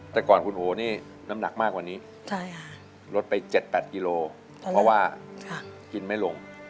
แต่ก่อนคุณโอนี่น้ำหนักมากกว่านี้ลดไป๗๘กิโลเพราะว่ากินไม่ลง